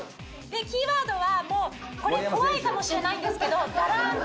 キーワードは怖いかもしれないんですけどダランって。